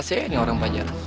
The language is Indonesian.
saya ini orang belajar